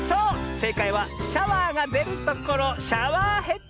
せいかいはシャワーがでるところシャワーヘッド。